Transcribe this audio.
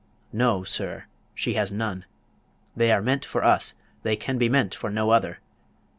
No, sir, she has none. They are meant for us; they can be meant for no other.